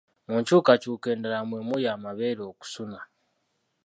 Mu nkyukakyuka endala mwe muli amabeere okusuna.